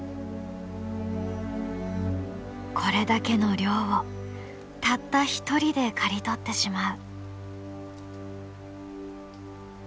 これだけの量をたった一人で刈り取ってしまう。